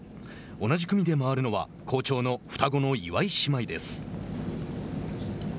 同じ組で回るのは好調の双子の岩井姉妹です。